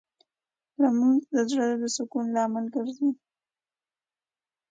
لمونځ د زړه د سکون لامل ګرځي